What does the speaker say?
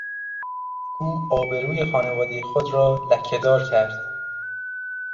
او آبروی خانوادهی خود را لکهدار کرد.